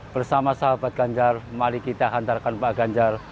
bersama sahabat ganjar mari kita hantarkan pak ganjar